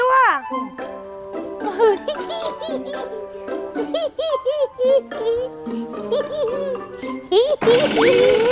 ว้าว